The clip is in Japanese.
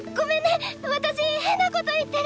私変なこと言ってるよね。